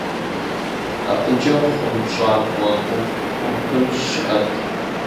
АбыкӀэ хъунщӀакӀуэ гупыр щыӀэт.